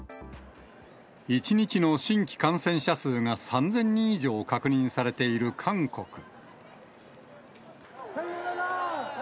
１日の新規感染者数が３０００人以上確認されている韓国。